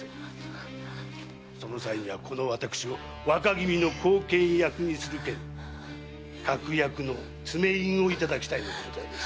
その際にはこの私を若君の後見役にする件確約の爪印をいただきたいのでございます。